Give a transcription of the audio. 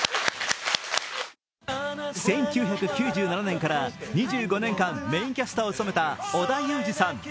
１９９７年から２５年間、メインキャスターを務めた織田裕二さん。